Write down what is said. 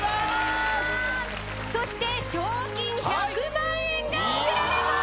そして賞金１００万円が贈られます！